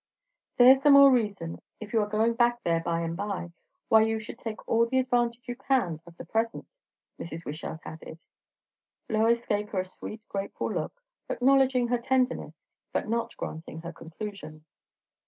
"There's the more reason, if you are going back there by and by, why you should take all the advantage you can of the present," Mrs. Wishart added. Lois gave her a sweet, grateful look, acknowledging her tenderness, but not granting her conclusions.